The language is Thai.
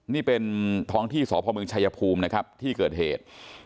นี่เป็นท้องที่สพเมืองชายภูมินะครับที่เกิดเหตุ